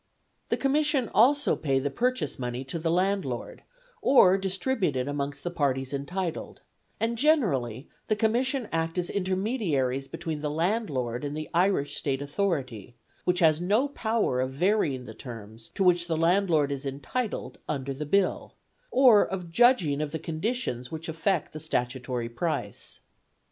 The Commission also pay the purchase money to the landlord, or distribute it amongst the parties entitled, and generally the Commission act as intermediaries between the landlord and the Irish State Authority, which has no power of varying the terms to which the landlord is entitled under the Bill, or of judging of the conditions which affect the statutory price.